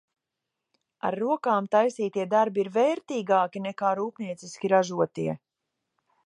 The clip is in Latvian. Ar rokām taisītie darbi ir vērtīgāki, nekā rūpnieciski ražotie!